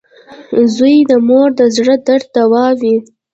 • زوی د مور د زړۀ درد دوا وي.